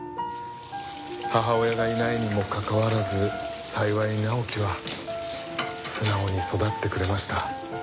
母親がいないにもかかわらず幸い直樹は素直に育ってくれました。